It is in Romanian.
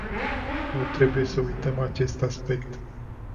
Nu trebuie să uităm acest aspect.